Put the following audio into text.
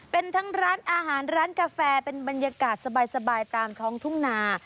เป็นทั้งร้านอาหารร้านกาแฟเป็นบรรยากาศสบายตามท้องทุ่งนา